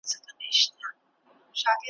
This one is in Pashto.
په څو ځله لوستلو یې په معنا نه پوهېږم `